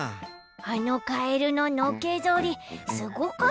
あのカエルののけぞりすごかったね。